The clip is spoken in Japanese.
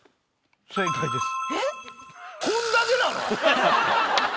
正解です。